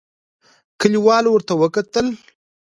کليوالو ورته وکتل.